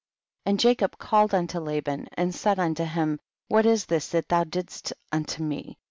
1 1 . And Jacob called unto Laban^ and said unto him, what is this that thou didst unto me